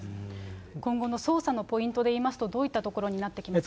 今後の捜査のポイントでいいますと、どういったところになってきますか。